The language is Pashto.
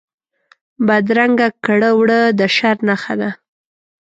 بدرنګه کړه وړه د شر نښه ده